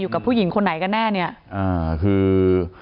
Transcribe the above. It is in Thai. กับผู้หญิงคนไหนกันแน่เนี่ยอ่าคือ